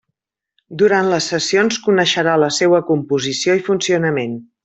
Durant les sessions coneixerà la seua composició i funcionament.